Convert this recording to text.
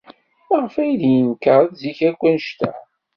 Maɣef ay d-yenker zik akk anect-a?